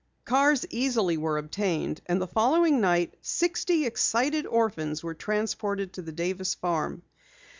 Cars easily were obtained, and the following night, sixty excited orphans were transported to the Davis farm.